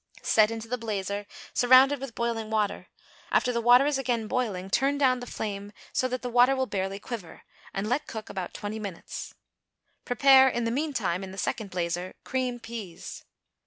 Set into the blazer, surrounded with boiling water; after the water is again boiling, turn down the flame so that the water will barely quiver, and let cook about twenty minutes. Prepare, in the mean time, in the second blazer, creamed peas.